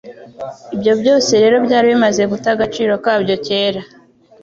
Ibyo byose rero byari bimaze guta agaciro kabyo kera.